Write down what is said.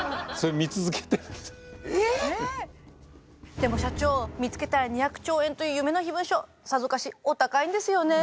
でも社長見つけたら２００兆円という夢の秘文書さぞかしお高いんですよね？